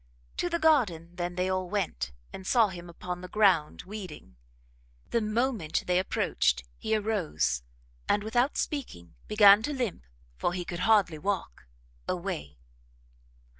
To the garden then they all went, and saw him upon the ground, weeding. The moment they approached he arose, and, without speaking, began to limp, for he could hardly walk; away.